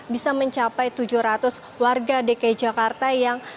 bisa mencapai tujuh ratus warga dki jakarta yang